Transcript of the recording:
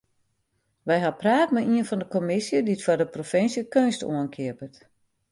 We ha praat mei ien fan de kommisje dy't foar de provinsje keunst oankeapet.